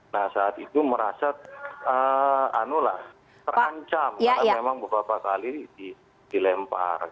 nah saat itu merasa terancam karena memang beberapa kali dilempar